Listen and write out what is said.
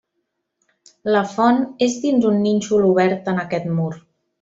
La font és dins un nínxol obert en aquest mur.